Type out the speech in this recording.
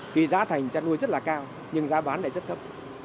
khi giá thành chăn nuôi rất là cao nhưng giá bán lại rất thấp